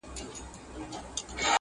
ورته ژاړه چي له حاله دي خبر سي.!